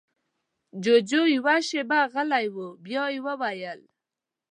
جُوجُو يوه شېبه غلی و، بيا يې وويل: